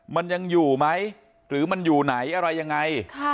มันยังอยู่ไหมหรือมันอยู่ไหนอะไรยังไง